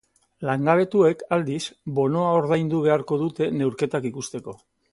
Langabetuek, aldiz, bonoa ordaindu beharko dute neurketak ikusteko.